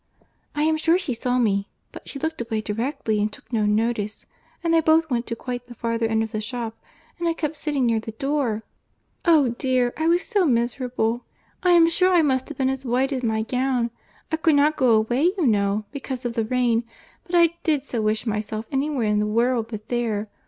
I am sure she saw me, but she looked away directly, and took no notice; and they both went to quite the farther end of the shop; and I kept sitting near the door!—Oh! dear; I was so miserable! I am sure I must have been as white as my gown. I could not go away you know, because of the rain; but I did so wish myself anywhere in the world but there.